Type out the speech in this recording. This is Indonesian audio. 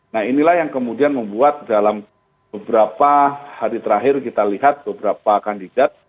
nah inilah yang kemudian membuat dalam beberapa hari terakhir kita lihat beberapa kandidat